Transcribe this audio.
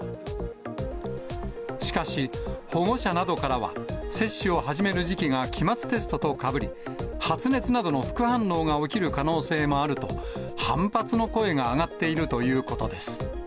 しかし、保護者などからは、接種を始める時期が期末テストとかぶり、発熱などの副反応が起きる可能性もあると、反発の声が上がっているということです。